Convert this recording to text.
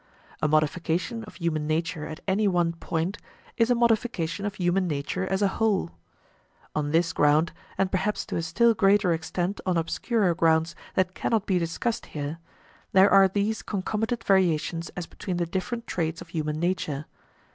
A modification of human nature at any one point is a modification of human nature as a whole. On this ground, and perhaps to a still greater extent on obscurer grounds that can not be discussed here, there are these concomitant variations as between the different traits of human nature.